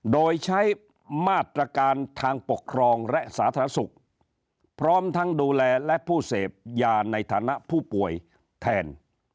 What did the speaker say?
โดยใช้มาตรการทางปกครองและสาธารณสุขพร้อมทั้งดูแลและผู้เสพยาในฐานะผู้ป่วยแทน